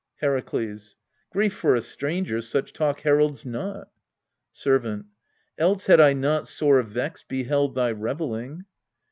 Herakles. Grief for a stranger such talk heralds not. Servant. Else had I not sore vexed beheld thy revelling.